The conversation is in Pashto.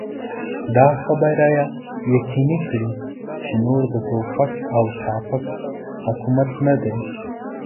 دا خبره يقيني کړي چې نور د ټوپک او پاټک حکومت نه دی.